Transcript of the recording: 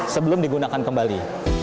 sebelum digunakan kembali